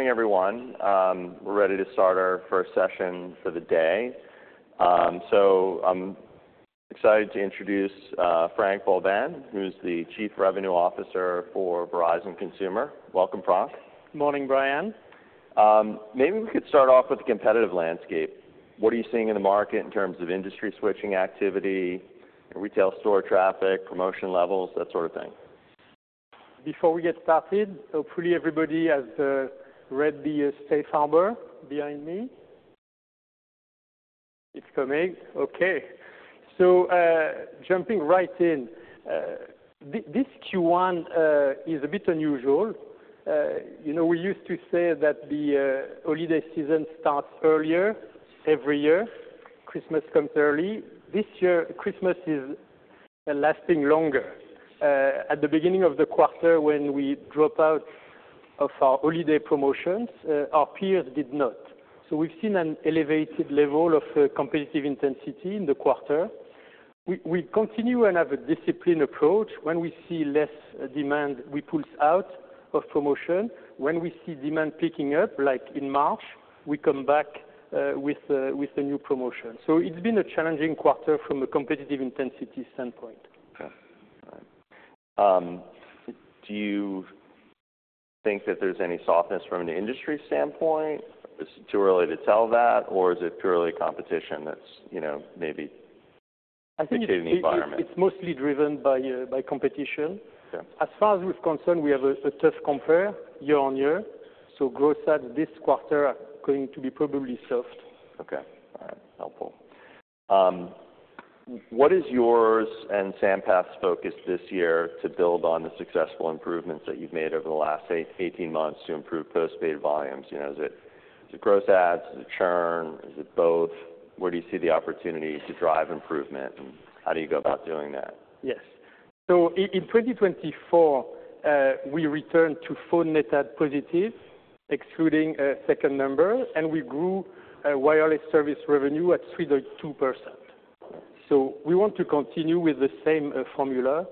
Morning, everyone. We're ready to start our first session for the day. I'm excited to introduce Frank Boulben, who's the Chief Revenue Officer for Verizon Consumer. Welcome, Frank. Morning, Bryan. Maybe we could start off with the competitive landscape. What are you seeing in the market in terms of industry switching activity, retail store traffic, promotion levels, that sort of thing? Before we get started, hopefully everybody has read the Safe Harbor behind me. It's coming. OK. Jumping right in, this Q1 is a bit unusual. We used to say that the holiday season starts earlier every year. Christmas comes early. This year, Christmas is lasting longer. At the beginning of the quarter, when we drop out of our holiday promotions, our peers did not. We have seen an elevated level of competitive intensity in the quarter. We continue and have a disciplined approach. When we see less demand, we pull out of promotion. When we see demand picking up, like in March, we come back with a new promotion. It has been a challenging quarter from a competitive intensity standpoint. Do you think that there's any softness from an industry standpoint? It's too early to tell that, or is it purely competition that's maybe dictated the environment? I think it's mostly driven by competition. As far as we're concerned, we have a tough compare year-on-year. Growth stats this quarter are going to be probably soft. OK. All right. Helpful. What is yours and Sampath's focus this year to build on the successful improvements that you've made over the last 18 months to improve postpaid volumes? Is it gross adds? Is it churn? Is it both? Where do you see the opportunity to drive improvement? And how do you go about doing that? Yes. In 2024, we returned to phone net add positive, excluding a second number. We grew wireless service revenue at 3.2%. We want to continue with the same formula.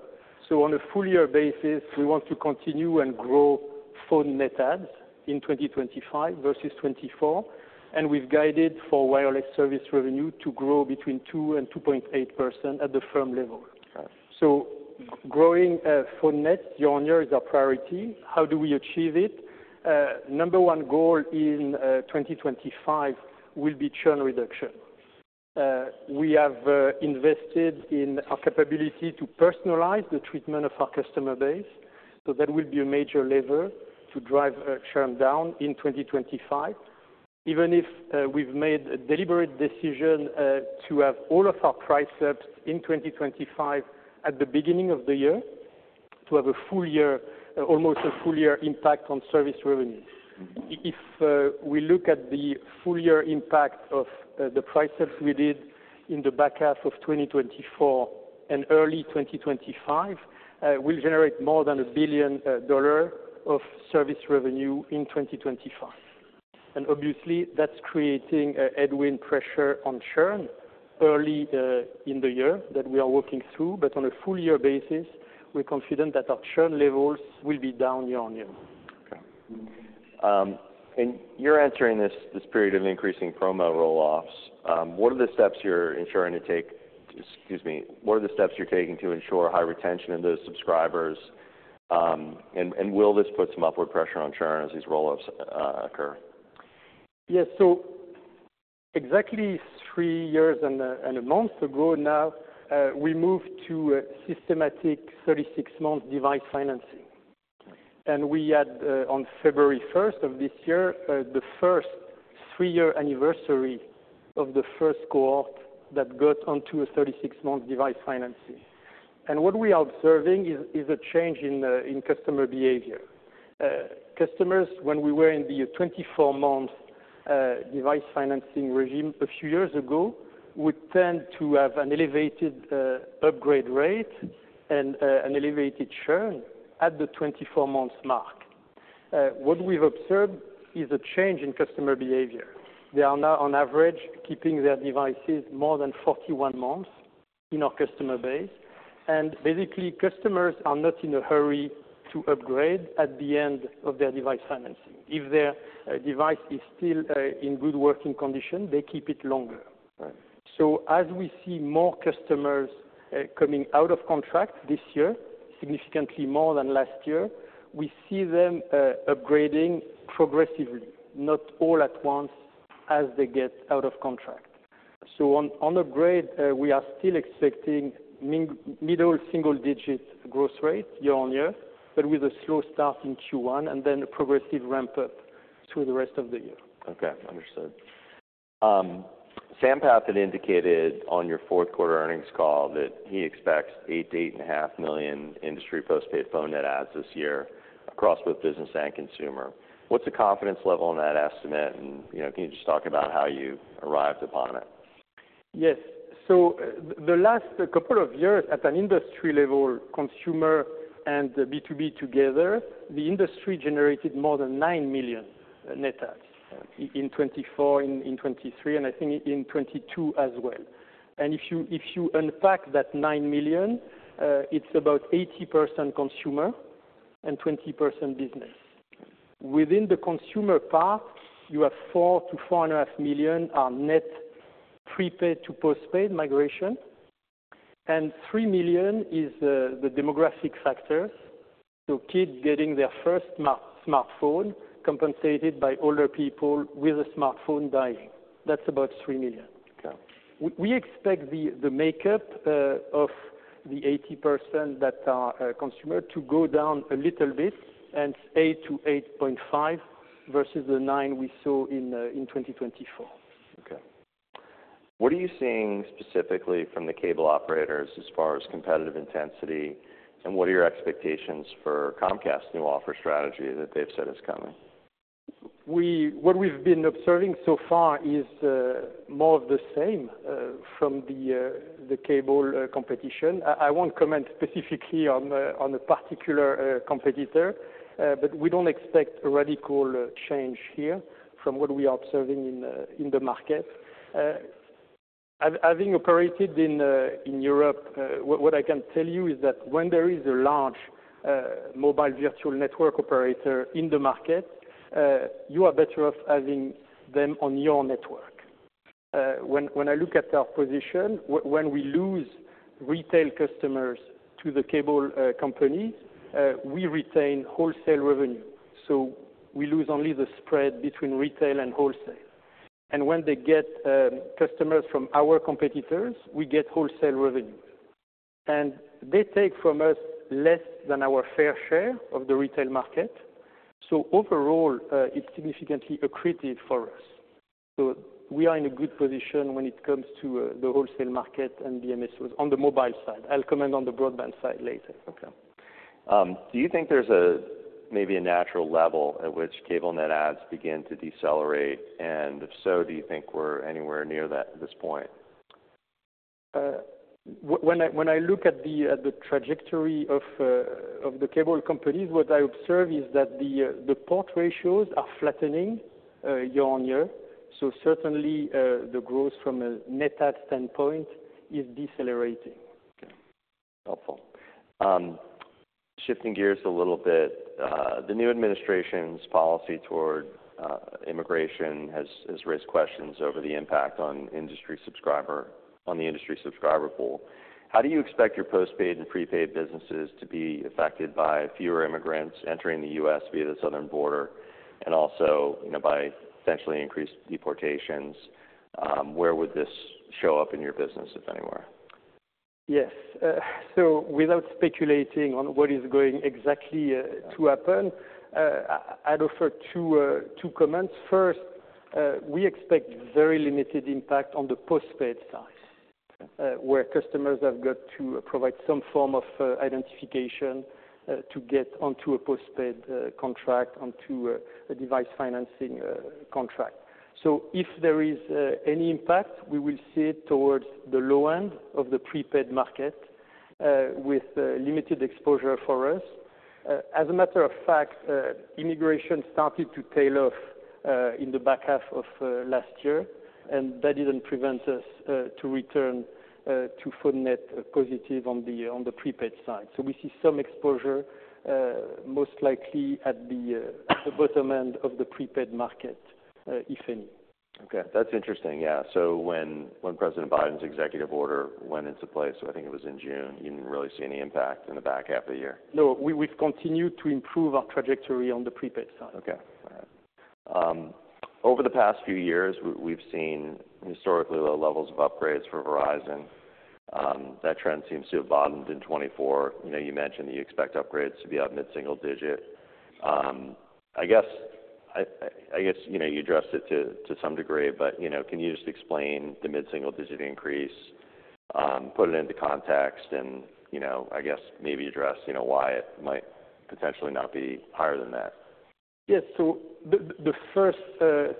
On a full-year basis, we want to continue and grow phone net adds in 2025 versus 2024. We have guided for wireless service revenue to grow between 2% and 2.8% at the firm level. Growing phone nets year on year is our priority. How do we achieve it? Number one goal in 2025 will be churn reduction. We have invested in our capability to personalize the treatment of our customer base. That will be a major lever to drive churn down in 2025. Even if we've made a deliberate decision to have all of our price ups in 2025 at the beginning of the year, to have a full-year, almost a full year impact on service revenue. If we look at the full-year impact of the price ups we did in the back half of 2024 and early 2025, we'll generate more than $1 billion of service revenue in 2025. Obviously, that's creating a headwind pressure on churn early in the year that we are working through. On a full-year basis, we're confident that our churn levels will be down year-on-year. OK. You're answering this period of increasing promo rolloffs. What are the steps you're taking to ensure high retention of those subscribers? Will this put some upward pressure on churn as these rolloffs occur? Yes. Exactly three years and a month ago now, we moved to a systematic 36-month device financing. We had, on February 1st of this year, the first three-year anniversary of the first cohort that got onto a 36-month device financing. What we are observing is a change in customer behavior. Customers, when we were in the 24-month device financing regime a few years ago, would tend to have an elevated upgrade rate and an elevated churn at the 24-month mark. What we've observed is a change in customer behavior. They are now, on average, keeping their devices more than 41 months in our customer base. Basically, customers are not in a hurry to upgrade at the end of their device financing. If their device is still in good working condition, they keep it longer. As we see more customers coming out of contract this year, significantly more than last year, we see them upgrading progressively, not all at once as they get out of contract. On upgrade, we are still expecting middle single-digit growth rate year-on-year, but with a slow start in Q1 and then a progressive ramp up through the rest of the year. OK. Understood. Sampath had indicated on your fourth quarter earnings call that he expects 8 million-8.5 million industry postpaid phone net ads this year across both business and consumer. What's the confidence level on that estimate? Can you just talk about how you arrived upon it? Yes. The last couple of years at an industry level, consumer and B2B together, the industry generated more than 9 million net ads in 2024, in 2023, and I think in 2022 as well. If you unpack that 9 million, it's about 80% consumer and 20% business. Within the consumer part, you have 4 to 4.5 million are net prepaid to postpaid migration. Three million is the demographic factors. Kids getting their first smartphone compensated by older people with a smartphone dying. That's about 3 million. We expect the makeup of the 80% that are consumer to go down a little bit, and 8%-8.5% versus the 9% we saw in 2024. OK. What are you seeing specifically from the cable operators as far as competitive intensity? What are your expectations for Comcast's new offer strategy that they've said is coming? What we've been observing so far is more of the same from the cable competition. I won't comment specifically on a particular competitor. We don't expect a radical change here from what we are observing in the market. Having operated in Europe, what I can tell you is that when there is a large mobile virtual network operator in the market, you are better off having them on your network. When I look at our position, when we lose retail customers to the cable companies, we retain wholesale revenue. We lose only the spread between retail and wholesale. When they get customers from our competitors, we get wholesale revenue. They take from us less than our fair share of the retail market. Overall, it's significantly accretive for us. We are in a good position when it comes to the wholesale market and BMSOs on the mobile side. I'll comment on the broadband side later. OK. Do you think there's maybe a natural level at which cable net ads begin to decelerate? If so, do you think we're anywhere near that at this point? When I look at the trajectory of the cable companies, what I observe is that the port ratios are flattening year-on-year. Certainly, the growth from a net ad standpoint is decelerating. Helpful. Shifting gears a little bit, the new administration's policy toward immigration has raised questions over the impact on the industry subscriber pool. How do you expect your postpaid and prepaid businesses to be affected by fewer immigrants entering the U.S. via the southern border and also by potentially increased deportations? Where would this show up in your business, if anywhere? Yes. Without speculating on what is going exactly to happen, I'd offer two comments. First, we expect very limited impact on the postpaid side, where customers have got to provide some form of identification to get onto a postpaid contract, onto a device financing contract. If there is any impact, we will see it towards the low end of the prepaid market with limited exposure for us. As a matter of fact, immigration started to tail off in the back half of last year. That did not prevent us from returning to phone net positive on the prepaid side. We see some exposure, most likely at the bottom end of the prepaid market, if any. OK. That's interesting. Yeah. When President Biden's executive order went into place, I think it was in June, you didn't really see any impact in the back half of the year. No. We've continued to improve our trajectory on the prepaid side. OK. Over the past few years, we've seen historically low levels of upgrades for Verizon. That trend seems to have bottomed in 2024. You mentioned that you expect upgrades to be up mid-single digit. I guess you addressed it to some degree. Can you just explain the mid-single digit increase, put it into context, and I guess maybe address why it might potentially not be higher than that? Yes. The first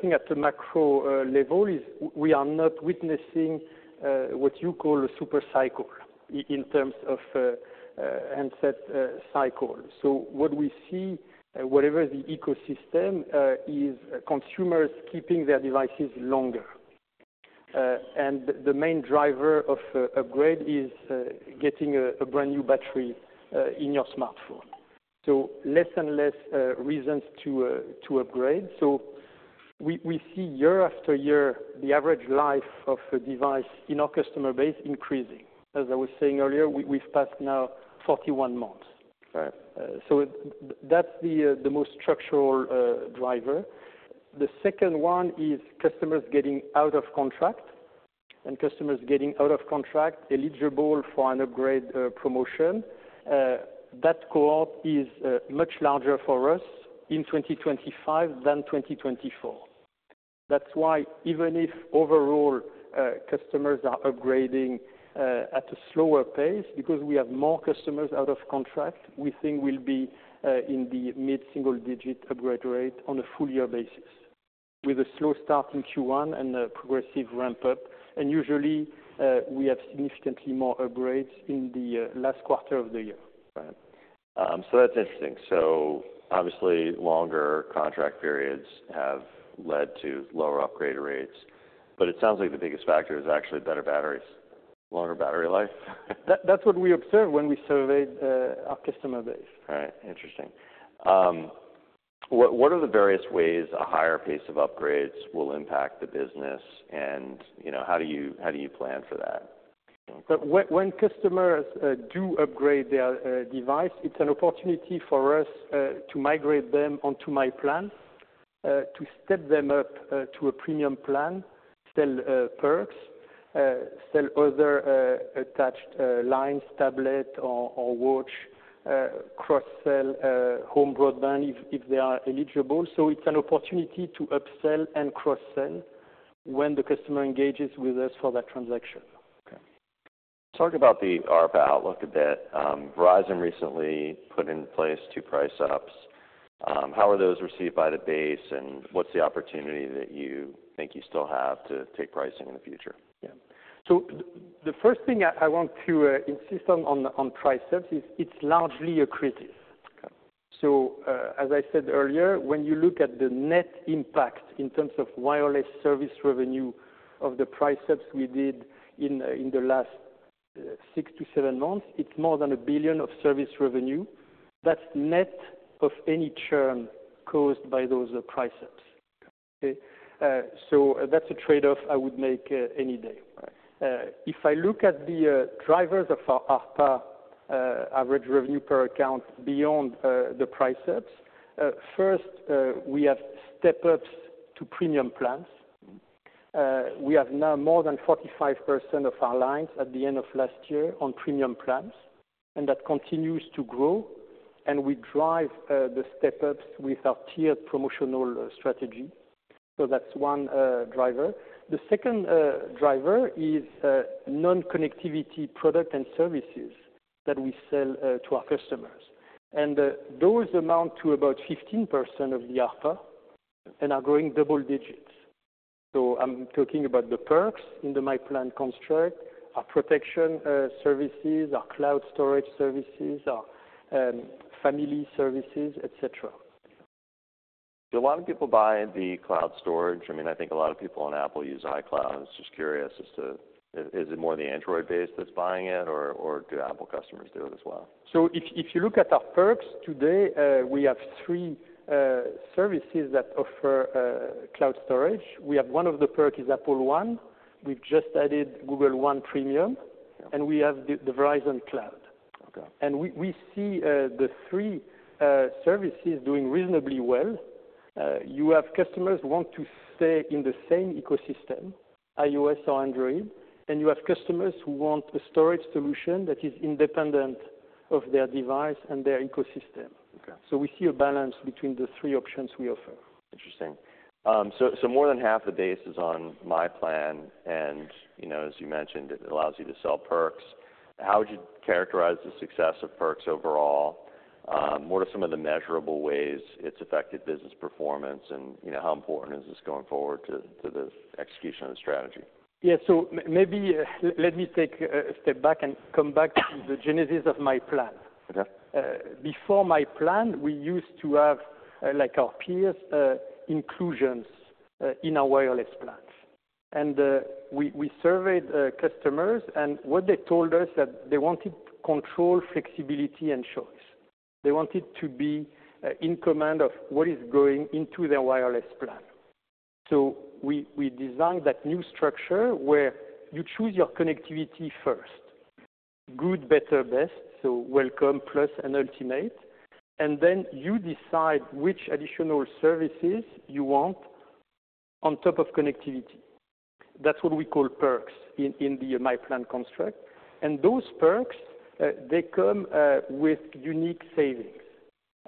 thing at the macro level is we are not witnessing what you call a super cycle in terms of handset cycle. What we see, whatever the ecosystem, is consumers keeping their devices longer. The main driver of upgrade is getting a brand new battery in your smartphone. Less and less reasons to upgrade. We see year after year the average life of a device in our customer base increasing. As I was saying earlier, we've passed now 41 months. That's the most structural driver. The second one is customers getting out of contract. Customers getting out of contract eligible for an upgrade promotion. That cohort is much larger for us in 2025 than 2024. That's why even if overall customers are upgrading at a slower pace, because we have more customers out of contract, we think we'll be in the mid-single digit upgrade rate on a full-year basis with a slow start in Q1 and a progressive ramp up. Usually, we have significantly more upgrades in the last quarter of the year. That's interesting. Obviously, longer contract periods have led to lower upgrade rates. It sounds like the biggest factor is actually better batteries, longer battery life. That's what we observed when we surveyed our customer base. Right. Interesting. What are the various ways a higher pace of upgrades will impact the business? How do you plan for that? When customers do upgrade their device, it's an opportunity for us to migrate them onto myPlan, to step them up to a premium plan, sell perks, sell other attached lines, tablet or watch, cross-sell, home broadband if they are eligible. It is an opportunity to upsell and cross-sell when the customer engages with us for that transaction. Talk about the ARPA outlook a bit. Verizon recently put in place two price ups. How are those received by the base? What is the opportunity that you think you still have to take pricing in the future? Yeah. The first thing I want to insist on price ups is it's largely accretive. As I said earlier, when you look at the net impact in terms of wireless service revenue of the price ups we did in the last six to seven months, it's more than $1 billion of service revenue. That's net of any churn caused by those price ups. That's a trade-off I would make any day. If I look at the drivers of our ARPA, average revenue per account, beyond the price ups, first, we have step-ups to premium plans. We have now more than 45% of our lines at the end of last year on premium plans. That continues to grow. We drive the step-ups with our tiered promotional strategy. That's one driver. The second driver is non-connectivity product and services that we sell to our customers. Those amount to about 15% of the ARPA and are growing double digits. I'm talking about the perks in the myPlan construct, our protection services, our cloud storage services, our family services, et cetera. Do a lot of people buy the cloud storage? I mean, I think a lot of people on Apple use iCloud. I was just curious as to is it more the Android base that's buying it? Or do Apple customers do it as well? If you look at our perks today, we have three services that offer cloud storage. We have one of the perks is Apple One. We have just added Google One Premium. And we have the Verizon Cloud. We see the three services doing reasonably well. You have customers who want to stay in the same ecosystem, iOS or Android. You have customers who want a storage solution that is independent of their device and their ecosystem. We see a balance between the three options we offer. Interesting. More than half the base is on myPlan. As you mentioned, it allows you to sell perks. How would you characterize the success of perks overall? What are some of the measurable ways it's affected business performance? How important is this going forward to the execution of the strategy? Yeah. Maybe let me take a step back and come back to the genesis of myPlan. Before myPlan, we used to have, like our peers, inclusions in our wireless plans. We surveyed customers. What they told us is that they wanted control, flexibility, and choice. They wanted to be in command of what is going into their wireless plan. We designed that new structure where you choose your connectivity first, good, better, best, so welcome, plus, and ultimate. Then you decide which additional services you want on top of connectivity. That is what we call perks in the myPlan construct. Those perks come with unique savings.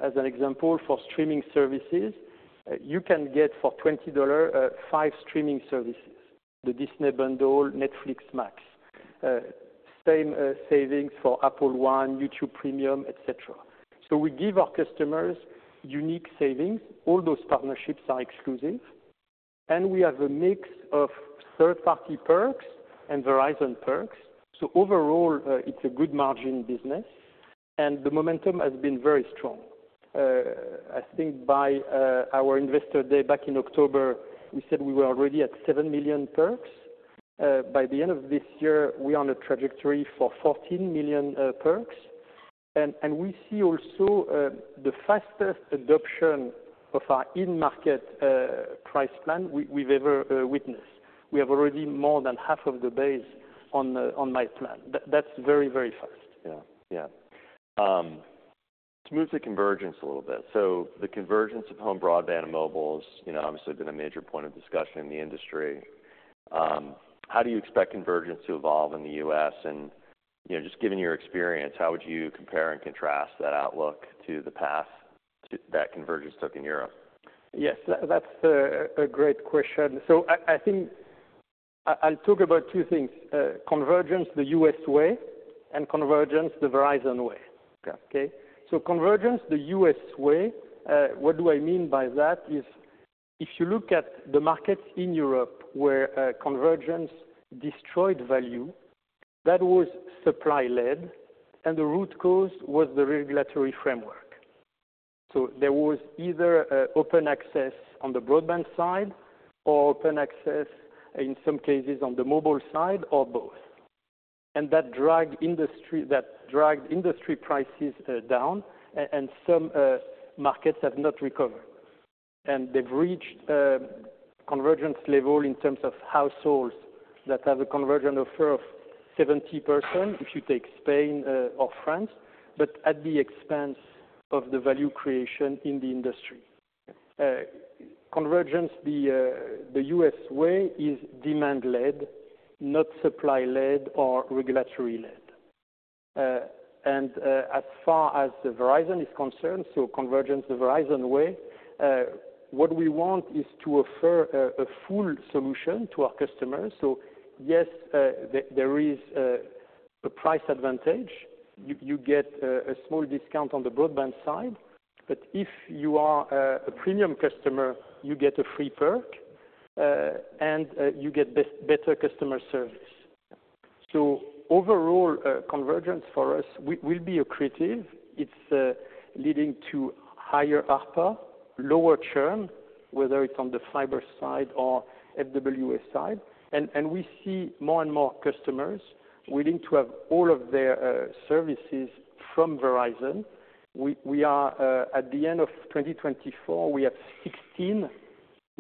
As an example, for streaming services, you can get for $20 five streaming services, the Disney Bundle, Netflix Max. Same savings for Apple One, YouTube Premium, et cetera. We give our customers unique savings. All those partnerships are exclusive. We have a mix of third-party perks and Verizon perks. Overall, it's a good margin business. The momentum has been very strong. I think by our Investor Day back in October, we said we were already at 7 million perks. By the end of this year, we are on a trajectory for 14 million perks. We see also the fastest adoption of our in-market price plan we've ever witnessed. We have already more than half of the base on myPlan. That's very, very fast. Yeah. Yeah. Let's move to convergence a little bit. The convergence of home broadband and mobile has obviously been a major point of discussion in the industry. How do you expect convergence to evolve in the U.S.? Just given your experience, how would you compare and contrast that outlook to the path that convergence took in Europe? Yes. That's a great question. I think I'll talk about two things, convergence the U.S. way and convergence the Verizon way. OK? Convergence the U.S. way, what do I mean by that is if you look at the markets in Europe where convergence destroyed value, that was supply-led. The root cause was the regulatory framework. There was either open access on the broadband side or open access in some cases on the mobile side or both. That dragged industry prices down. Some markets have not recovered. They've reached convergence level in terms of households that have a convergent offer of 70% if you take Spain or France, but at the expense of the value creation in the industry. Convergence the U.S. way is demand-led, not supply-led or regulatory-led. As far as Verizon is concerned, convergence the Verizon way, what we want is to offer a full solution to our customers. Yes, there is a price advantage. You get a small discount on the broadband side. If you are a premium customer, you get a free perk. You get better customer service. Overall, convergence for us will be accretive. It's leading to higher ARPA, lower churn, whether it's on the fiber side or FWA side. We see more and more customers willing to have all of their services from Verizon. At the end of 2024, we have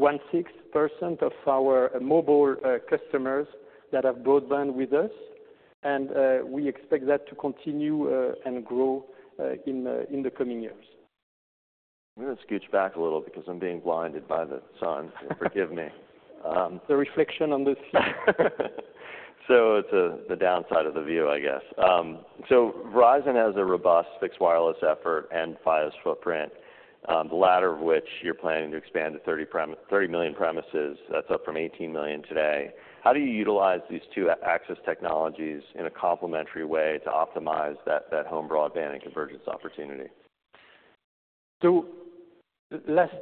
16.16% of our mobile customers that have broadband with us. We expect that to continue and grow in the coming years. I'm going to scooch back a little because I'm being blinded by the sun. Forgive me. The reflection on the sea. It's the downside of the view, I guess. Verizon has a robust fixed wireless effort and Fios footprint, the latter of which you're planning to expand to 30 million premises. That's up from 18 million today. How do you utilize these two access technologies in a complementary way to optimize that home broadband and convergence opportunity? Last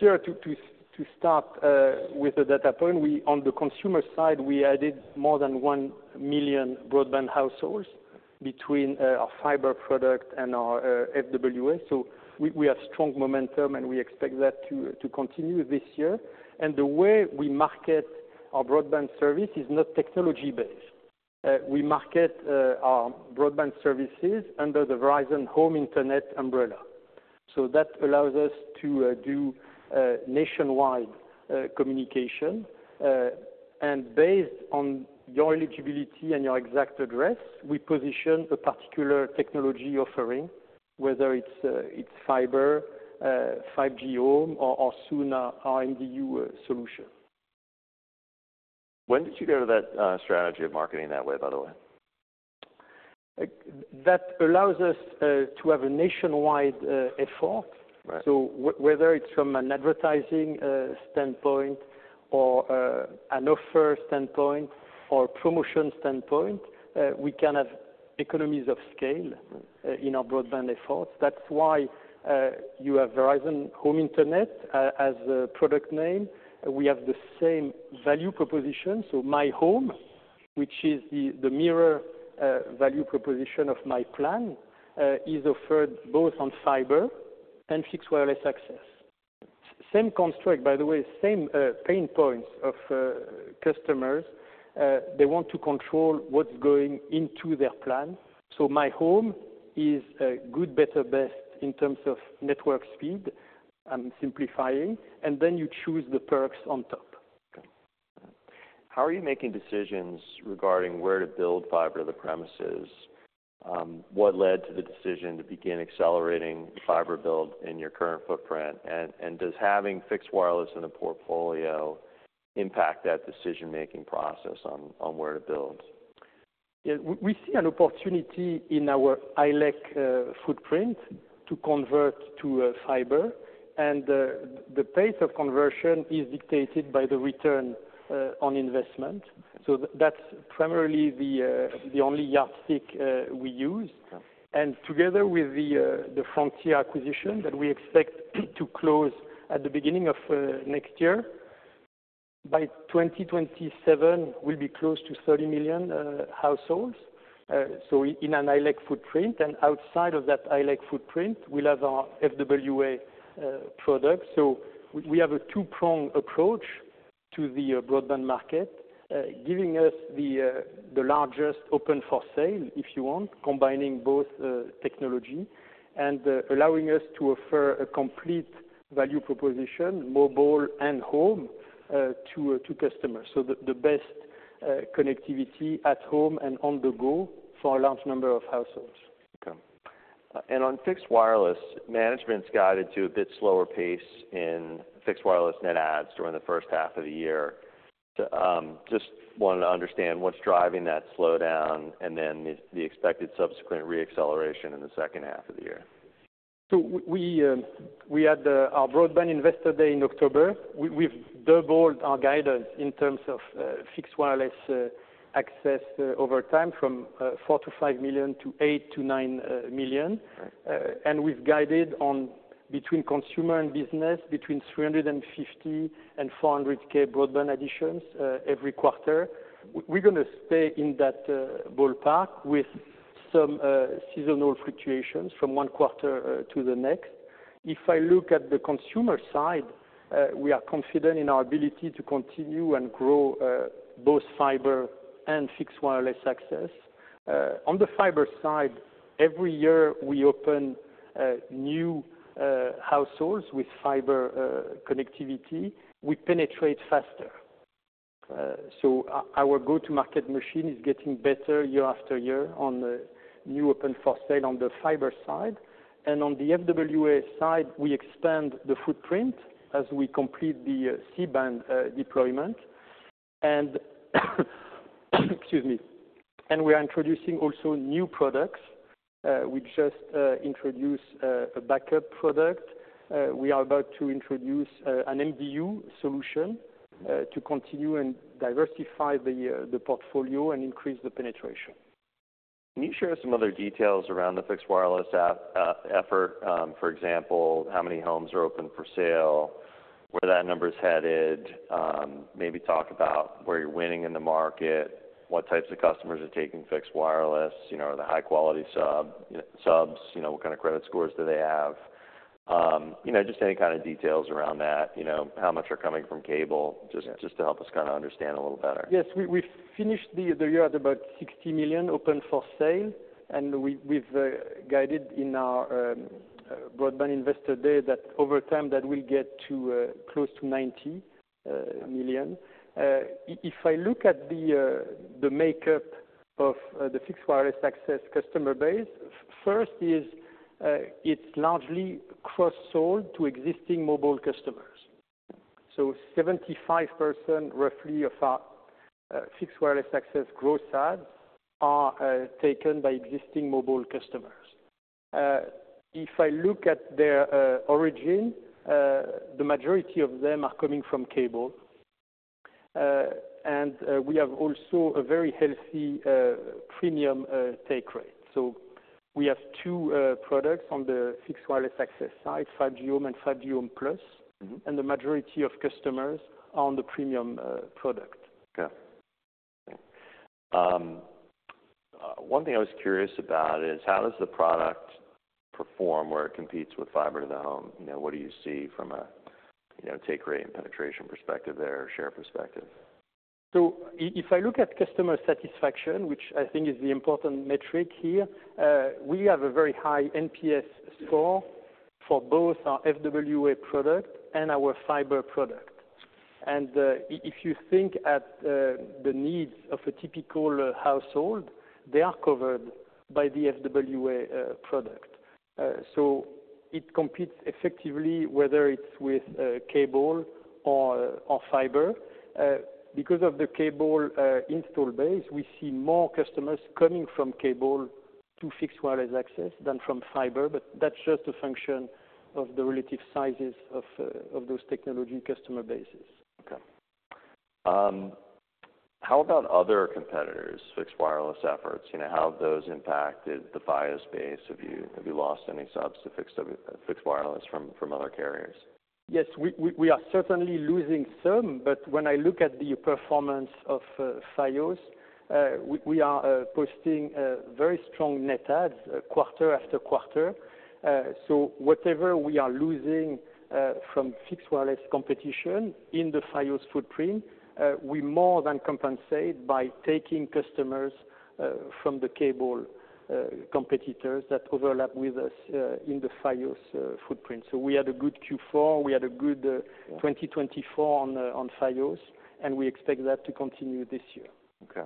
year, to start with the data point, on the consumer side, we added more than 1 million broadband households between our fiber product and our FWS. We have strong momentum. We expect that to continue this year. The way we market our broadband service is not technology-based. We market our broadband services under the Verizon Home Internet umbrella. That allows us to do nationwide communication. Based on your eligibility and your exact address, we position a particular technology offering, whether it is fiber, 5G Home, or SUNA, our MDU solution. When did you go to that strategy of marketing that way, by the way? That allows us to have a nationwide effort. Whether it's from an advertising standpoint or an offer standpoint or a promotion standpoint, we can have economies of scale in our broadband efforts. That's why you have Verizon Home Internet as a product name. We have the same value proposition. myHome, which is the mirror value proposition of myPlan, is offered both on fiber and fixed wireless access. Same construct, by the way, same pain points of customers. They want to control what's going into their plan. myHome is good, better, best in terms of network speed. I'm simplifying. Then you choose the perks on top. How are you making decisions regarding where to build fiber to the premises? What led to the decision to begin accelerating fiber build in your current footprint? Does having fixed wireless in the portfolio impact that decision-making process on where to build? Yeah. We see an opportunity in our ILEC footprint to convert to fiber. The pace of conversion is dictated by the return on investment. That's primarily the only yardstick we use. Together with the Frontier acquisition that we expect to close at the beginning of next year, by 2027, we'll be close to 30 million households in an ILEC footprint. Outside of that ILEC footprint, we'll have our FWA product. We have a two-prong approach to the broadband market, giving us the largest open for sale, if you want, combining both technology and allowing us to offer a complete value proposition, mobile and home, to customers. The best connectivity at home and on the go for a large number of households. On fixed wireless, management's guided to a bit slower pace in fixed wireless net adds during the first half of the year. Just wanted to understand what's driving that slowdown and then the expected subsequent re-acceleration in the second half of the year. We had our Broadband Investor Day in October. We've doubled our guidance in terms of fixed wireless access over time from 4 million-5 million to 8 million-9 million. We've guided on between consumer and business between 350,000 and 400,000 broadband additions every quarter. We're going to stay in that ballpark with some seasonal fluctuations from one quarter to the next. If I look at the consumer side, we are confident in our ability to continue and grow both fiber and fixed wireless access. On the fiber side, every year we open new households with fiber connectivity. We penetrate faster. Our go-to-market machine is getting better year after year on new open for sale on the fiber side. On the FWA side, we expand the footprint as we complete the C-band deployment. We are introducing also new products. We just introduced a backup product. We are about to introduce an MDU solution to continue and diversify the portfolio and increase the penetration. Can you share some other details around the fixed wireless effort? For example, how many homes are open for sale, where that number is headed? Maybe talk about where you're winning in the market, what types of customers are taking fixed wireless, the high-quality subs, what kind of credit scores do they have? Just any kind of details around that, how much are coming from cable, just to help us kind of understand a little better. Yes. We finished the year at about 60 million open for sale. We have guided in our Broadband Investor Day that over time that will get to close to 90 million. If I look at the makeup of the fixed wireless access customer base, first is it's largely cross-sold to existing mobile customers. 75% roughly of our fixed wireless access growth ads are taken by existing mobile customers. If I look at their origin, the majority of them are coming from cable. We have also a very healthy premium take rate. We have two products on the fixed wireless access side, 5G Home and 5G Home Plus. The majority of customers are on the premium product. OK. One thing I was curious about is how does the product perform where it competes with fiber to the home? What do you see from a take rate and penetration perspective there, share perspective? If I look at customer satisfaction, which I think is the important metric here, we have a very high NPS score for both our FWA product and our fiber product. If you think at the needs of a typical household, they are covered by the FWA product. It competes effectively whether it's with cable or fiber. Because of the cable install base, we see more customers coming from cable to fixed wireless access than from fiber. That's just a function of the relative sizes of those technology customer bases. OK. How about other competitors' fixed wireless efforts? How have those impacted the Fios base? Have you lost any subs to fixed wireless from other carriers? Yes. We are certainly losing some. When I look at the performance of Fios, we are posting very strong net adds quarter after quarter. Whatever we are losing from fixed wireless competition in the Fios footprint, we more than compensate by taking customers from the cable competitors that overlap with us in the Fios footprint. We had a good Q4. We had a good 2024 on Fios. We expect that to continue this year. OK.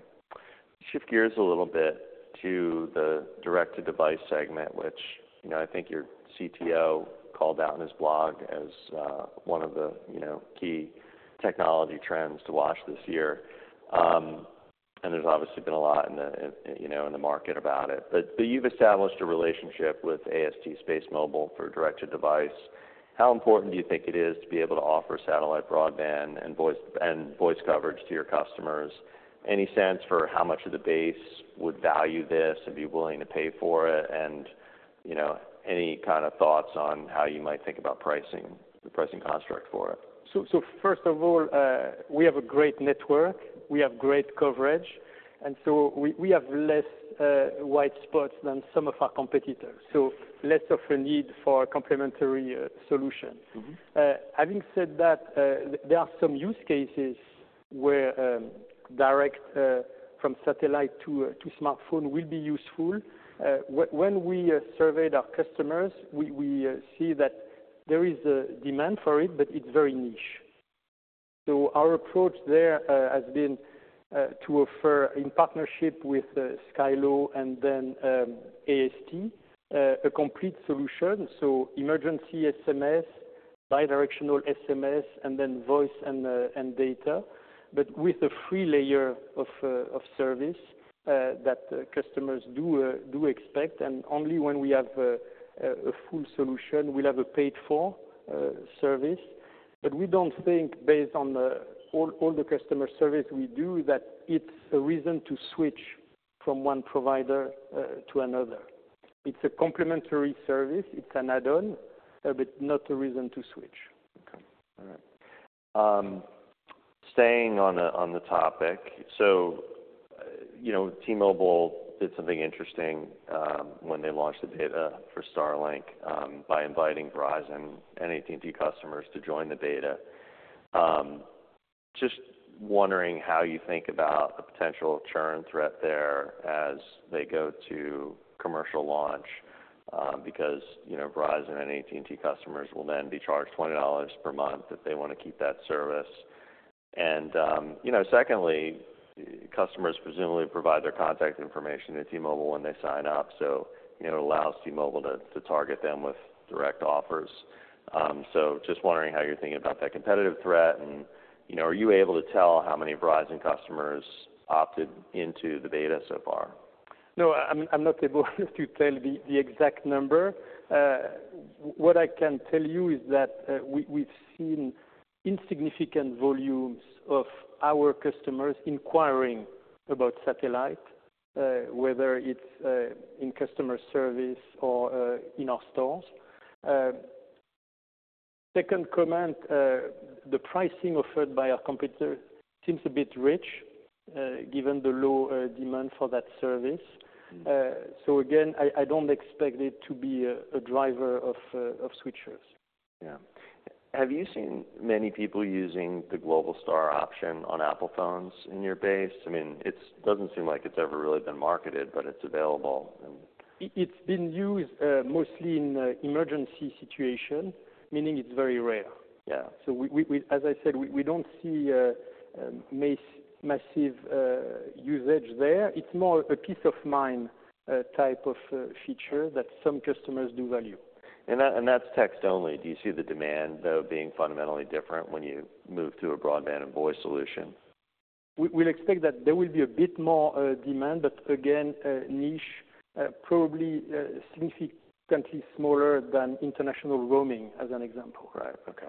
Shift gears a little bit to the direct-to-device segment, which I think your CTO called out in his blog as one of the key technology trends to watch this year. There's obviously been a lot in the market about it. You've established a relationship with AST Space Mobile for direct-to-device. How important do you think it is to be able to offer satellite broadband and voice coverage to your customers? Any sense for how much of the base would value this and be willing to pay for it? Any kind of thoughts on how you might think about pricing, the pricing construct for it? First of all, we have a great network. We have great coverage. We have less white spots than some of our competitors, so less of a need for complementary solutions. Having said that, there are some use cases where direct from satellite to smartphone will be useful. When we surveyed our customers, we see that there is demand for it, but it's very niche. Our approach there has been to offer, in partnership with Skylo and then AST, a complete solution. Emergency SMS, bidirectional SMS, and then voice and data, but with a free layer of service that customers do expect. Only when we have a full solution, we'll have a paid-for service. We do not think, based on all the customer service we do, that it's a reason to switch from one provider to another. It's a complementary service. It's an add-on, but not a reason to switch. All right. Staying on the topic, T-Mobile did something interesting when they launched the data for Starlink by inviting Verizon and AT&T customers to join the data. Just wondering how you think about the potential churn threat there as they go to commercial launch because Verizon and AT&T customers will then be charged $20 per month if they want to keep that service. Secondly, customers presumably provide their contact information to T-Mobile when they sign up. It allows T-Mobile to target them with direct offers. Just wondering how you're thinking about that competitive threat. Are you able to tell how many Verizon customers opted into the data so far? No. I'm not able to tell the exact number. What I can tell you is that we've seen insignificant volumes of our customers inquiring about satellite, whether it's in customer service or in our stores. The second comment, the pricing offered by our competitor seems a bit rich given the low demand for that service. Again, I don't expect it to be a driver of switchers. Yeah. Have you seen many people using the Globalstar option on Apple phones in your base? I mean, it doesn't seem like it's ever really been marketed, but it's available. It's been used mostly in emergency situations, meaning it's very rare. As I said, we don't see massive usage there. It's more a peace of mind type of feature that some customers do value. That's text only. Do you see the demand, though, being fundamentally different when you move to a broadband and voice solution? We'll expect that there will be a bit more demand, but again, niche, probably significantly smaller than international roaming, as an example. Right. OK.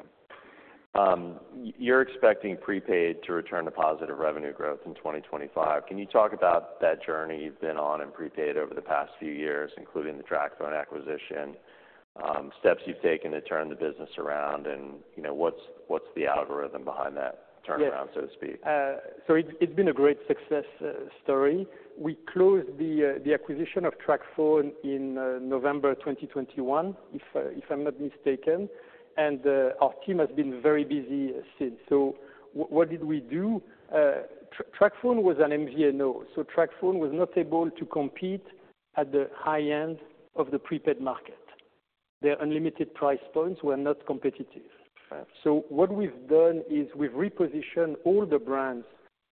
You're expecting prepaid to return to positive revenue growth in 2025. Can you talk about that journey you've been on in prepaid over the past few years, including the TracFone acquisition, steps you've taken to turn the business around, and what's the algorithm behind that turnaround, so to speak? It's been a great success story. We closed the acquisition of TracFone in November 2021, if I'm not mistaken. Our team has been very busy since. What did we do? TracFone was an MVNO. TracFone was not able to compete at the high end of the prepaid market. Their unlimited price points were not competitive. What we've done is we've repositioned all the brands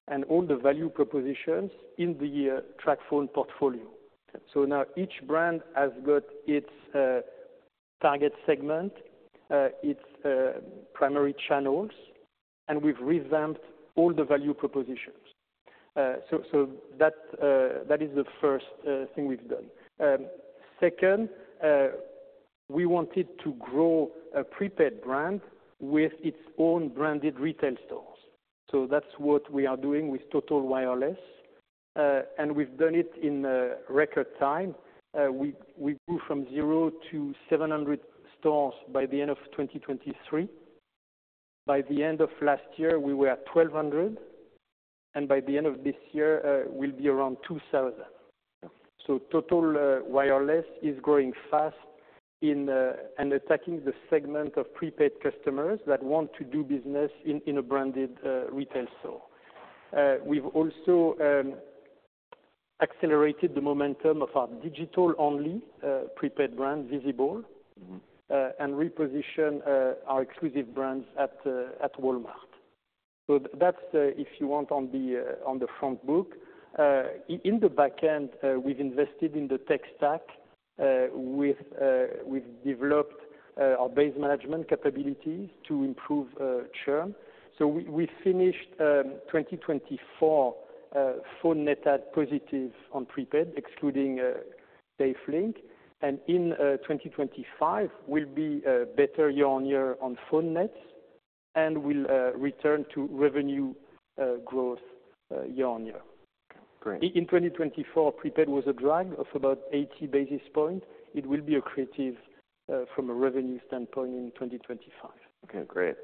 and all the value propositions in the TracFone portfolio. Now each brand has its target segment, its primary channels, and we've revamped all the value propositions. That is the first thing we've done. Second, we wanted to grow a prepaid brand with its own branded retail stores. That's what we are doing with Total Wireless. We've done it in record time. We grew from zero to 700 stores by the end of 2023. By the end of last year, we were at 1,200. By the end of this year, we'll be around 2,000. Total Wireless is growing fast in attacking the segment of prepaid customers that want to do business in a branded retail store. We've also accelerated the momentum of our digital-only prepaid brand, Visible, and repositioned our exclusive brands at Walmart. That is, if you want, on the front book. In the back end, we've invested in the tech stack. We've developed our base management capabilities to improve churn. We finished 2024 phone net add positive on prepaid, excluding SafeLink. In 2025, we'll be better year-on-year on phone nets. We'll return to revenue growth year-on-year. In 2024, prepaid was a drag of about 80 basis points. It will be accretive from a revenue standpoint in 2025. OK. Great.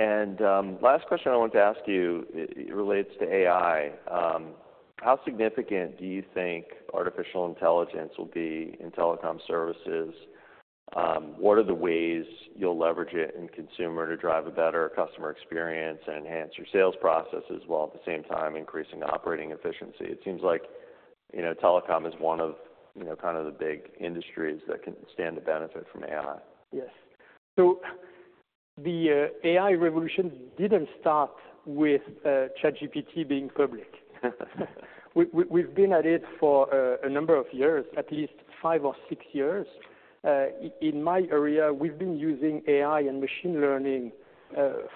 Last question I wanted to ask you, it relates to AI. How significant do you think artificial intelligence will be in telecom services? What are the ways you'll leverage it in consumer to drive a better customer experience and enhance your sales processes while at the same time increasing operating efficiency? It seems like telecom is one of kind of the big industries that can stand to benefit from AI. Yes. The AI revolution did not start with ChatGPT being public. We have been at it for a number of years, at least five or six years. In my area, we have been using AI and machine learning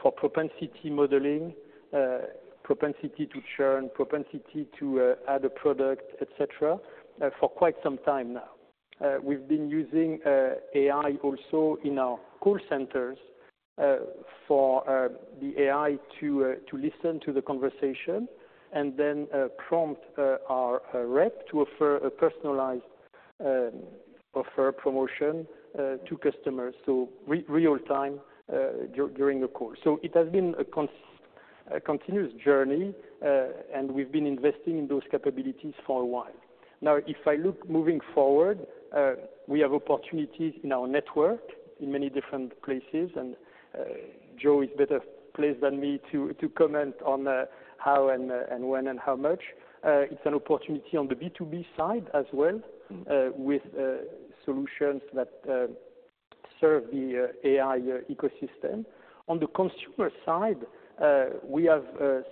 for propensity modeling, propensity to churn, propensity to add a product, et cetera, for quite some time now. We have been using AI also in our call centers for the AI to listen to the conversation and then prompt our rep to offer a personalized offer promotion to customers, so real time during a call. It has been a continuous journey. We have been investing in those capabilities for a while. Now, if I look moving forward, we have opportunities in our network in many different places. Joe is better placed than me to comment on how and when and how much. It's an opportunity on the B2B side as well with solutions that serve the AI ecosystem. On the consumer side, we have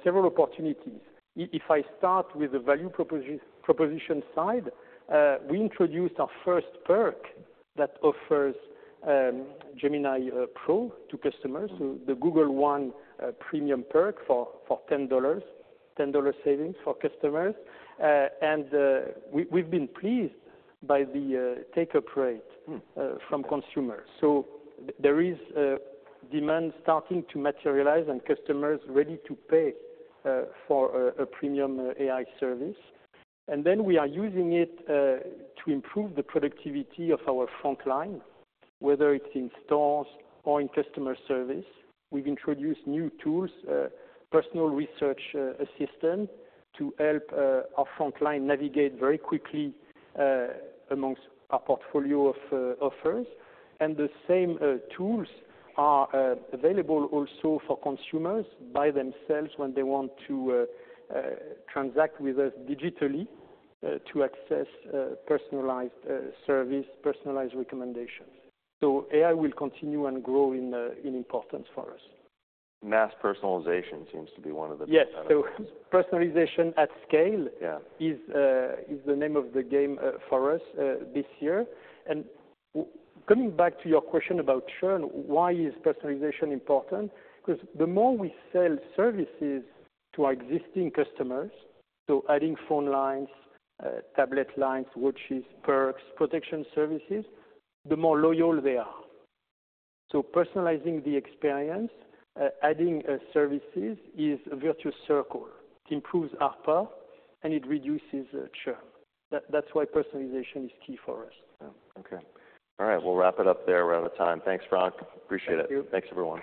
several opportunities. If I start with the value proposition side, we introduced our first perk that offers Gemini Pro to customers, so the Google One Premium perk for $10, $10 savings for customers. We have been pleased by the take-up rate from consumers. There is demand starting to materialize and customers ready to pay for a premium AI service. We are using it to improve the productivity of our front line, whether it's in stores or in customer service. We have introduced new tools, personal research assistant, to help our front line navigate very quickly amongst our portfolio of offers. The same tools are available also for consumers by themselves when they want to transact with us digitally to access personalized service, personalized recommendations. AI will continue and grow in importance for us. Mass personalization seems to be one of the. Yes. Personalization at scale is the name of the game for us this year. Coming back to your question about churn, why is personalization important? The more we sell services to our existing customers, so adding phone lines, tablet lines, watches, perks, protection services, the more loyal they are. Personalizing the experience, adding services is a virtuous circle. It improves our path, and it reduces churn. That's why personalization is key for us. OK. All right. We'll wrap it up there. We're out of time. Thanks, Frank. Appreciate it. Thank you. Thanks, everyone.